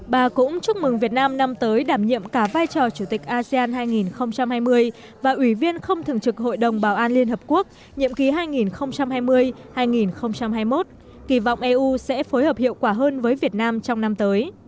bà cũng chúc mừng việt nam năm tới đảm nhiệm cả vai trò chủ tịch asean hai nghìn hai mươi và ủy viên không thường trực hội đồng bảo an liên hợp quốc nhiệm ký hai nghìn hai mươi hai nghìn hai mươi một kỳ vọng eu sẽ phối hợp hiệu quả hơn với việt nam trong năm tới